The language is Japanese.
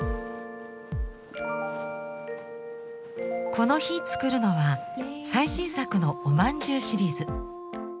この日作るのは最新作の「おまんじゅうシリーズ」。